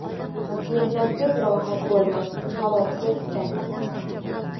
Mehnatsiz rohat bo'lmas, savobsiz — jannat.